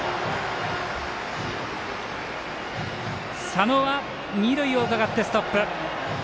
佐野は二塁をうかがってストップ。